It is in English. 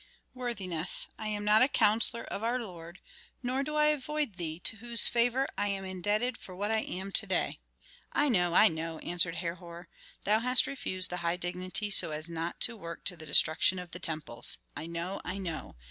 "Worthiness, I am not a counsellor of our lord, nor do I avoid thee to whose favor I am indebted for what I am to day." "I know, I know!" answered Herhor. "Thou hast refused the high dignity so as not to work to the destruction of the temples. I know, I know!